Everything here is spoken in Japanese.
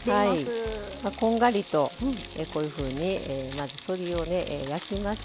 こんがりとこういうふうにまず鶏を焼きまして。